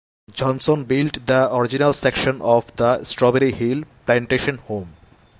Johnson built the original section of the Strawberry Hill plantation home.